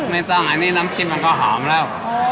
ไม่ต้องอันนี้น้ำจิ้มมันก็หอมแล้ว